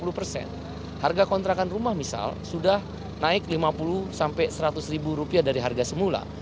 harga kontrakan rumah misal sudah naik lima puluh sampai seratus ribu rupiah dari harga semula